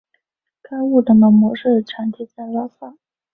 该物种的模式产地在拉萨。